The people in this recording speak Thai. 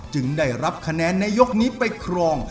จึงได้รับคะแนนในยกนี้ไปครอง